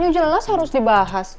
ini jelas harus dibahas